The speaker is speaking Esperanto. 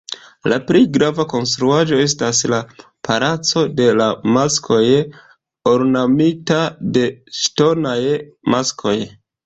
La plej grava konstruaĵo estas la "palaco de la maskoj", ornamita de ŝtonaj maskoj.